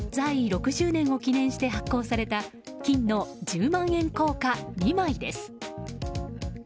６０年を記念して発行された金の十万円硬貨２枚です。